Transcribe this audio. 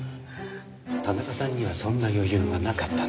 田中さんにはそんな余裕がなかったんですよ。